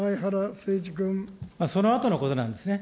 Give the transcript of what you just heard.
そのあとのことなんですね。